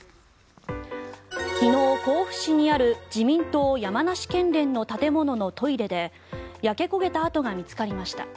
昨日、甲府市にある自民党山梨県連の建物のトイレで焼け焦げた跡が見つかりました。